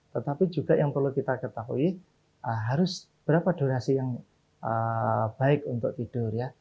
tetapi juga yang perlu kita ketahui harus berapa durasi yang baik untuk tidur ya